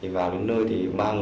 vào đến nơi thì ba lần